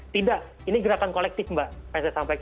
tidak ini gerakan kolektif mbak